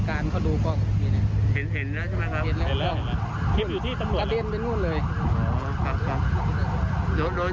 กำรวจไปดูกล้องแล้ว